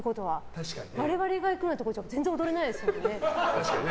我々が行くようなところじゃ全然踊れないですよね。